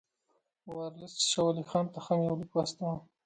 ورلسټ شاه ولي خان ته هم یو لیک واستاوه.